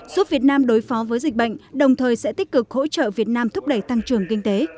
giúp việt nam đối phó với dịch bệnh đồng thời sẽ tích cực hỗ trợ việt nam thúc đẩy tăng trưởng kinh tế